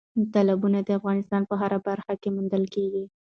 تالابونه د افغانستان په هره برخه کې موندل کېږي.